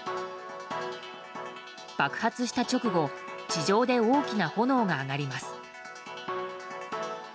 爆発した直後地上で大きな炎が上がります。